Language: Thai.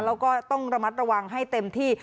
แล้วก็ต้องระมัดระวังให้เต็มที่